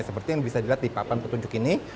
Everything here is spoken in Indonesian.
seperti yang bisa dilihat di papan petunjuk ini